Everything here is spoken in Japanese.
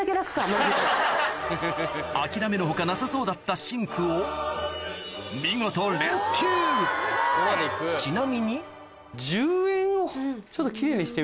諦める他なさそうだったシンクを見事レスキューちなみに垂らして。